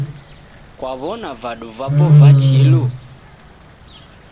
Kwaw'ona vadu vapo va chilu?